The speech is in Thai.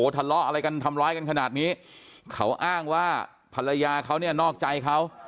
ทะเลาะอะไรกันทำร้ายกันขนาดนี้เขาอ้างว่าภรรยาเขาเนี่ยนอกใจเขา